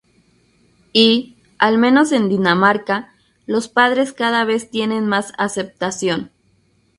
Y —al menos en Dinamarca— los padres cada vez tienen más aceptación.